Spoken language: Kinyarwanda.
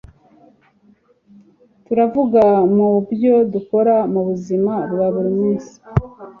turuvuga mu byo dukora mu buzima bwa buri munsi